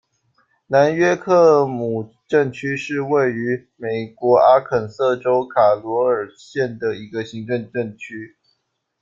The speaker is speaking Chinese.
南约克姆镇区是位于美国阿肯色州卡罗尔县的一个行政镇区。